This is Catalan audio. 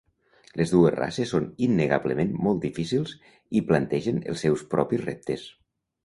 Les dues races són innegablement molt difícils i plantegen els seus propis reptes.